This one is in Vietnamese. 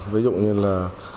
ví dụ như là